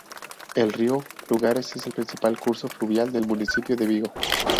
El río Lagares es el principal curso fluvial del municipio de Vigo.